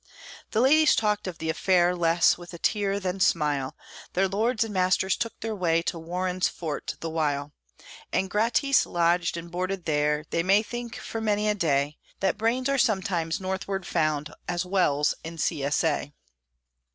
The ladies talked of the affair less with a tear than smile; Their lords and masters took their way to Warren's Fort the while; And gratis lodged and boarded there, they may think for many a day That brains are sometimes northward found as well's in C. S. A.